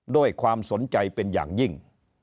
ด้วยความสนใจเป็นอย่างยิ่ง